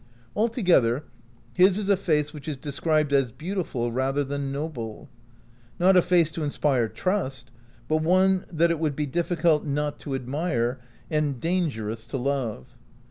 Altogether his is a face which is described as beautiful rather than noble. Not a face to inspire trust, but one that it would be difficult not to admire, and dan gerous to love.